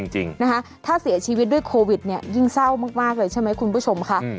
จริงนะคะถ้าเสียชีวิตด้วยโควิดเนี่ยยิ่งเศร้ามากเลยใช่ไหมคุณผู้ชมค่ะ